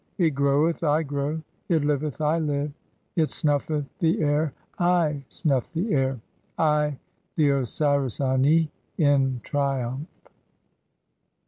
It groweth, I grow ; it liveth, I live ; (4) it snuffeth "the air, I snuff the air, I the Osiris Ani, in triumph."